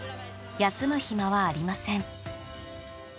休む暇はありません。